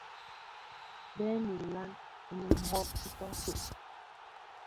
Bə́ mi ilaan ánɛ́ ŋ́ kwoon ítɔ́kə̂.